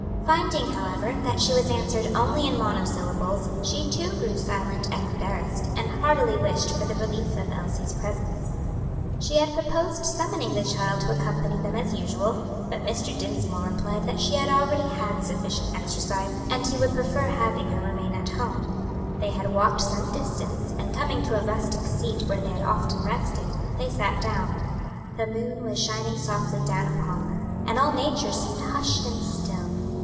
Finding, however, that she was answered only in monosyllables, she too grew silent and embarrassed, and heartily wished for the relief of Elsie's presence. She had proposed summoning the child to accompany them as usual, but Mr. Dinsmore replied that she had already had sufficient exercise, and he would prefer having her remain at home. They had walked some distance, and coming to a rustic seat where they had often rested, they sat down. The moon was shining softly down upon them, and all nature seemed hushed and still.